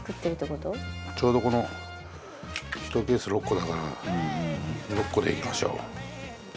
豊ノ島：ちょうどこの１ケース６個だから６個でいきましょう。